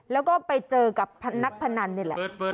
แล้วก็ไปเจอกับนักพนันนี่แหละ